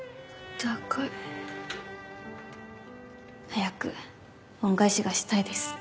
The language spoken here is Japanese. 早く恩返しがしたいです。